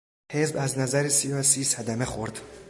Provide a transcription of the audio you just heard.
حزب از نظر سیاسی صدمه خورد.